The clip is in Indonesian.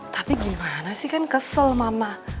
tapi gimana sih kan kesel mama